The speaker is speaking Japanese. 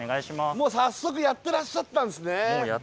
もう早速やってらっしゃったんですね。